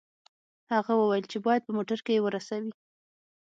هغه وویل چې باید په موټر کې یې ورسوي